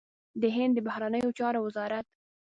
د هند د بهرنيو چارو وزارت